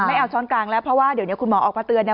ไม่เอาช้อนกลางแล้วเพราะว่าเดี๋ยวนี้คุณหมอออกมาเตือนนะ